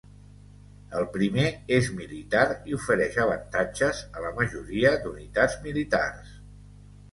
El primer és militar i ofereix avantatges a la majoria d"unitats militars.